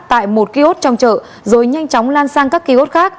tại một kiosk trong chợ rồi nhanh chóng lan sang các kiosk khác